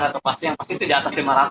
atau yang pasti itu di atas lima ratus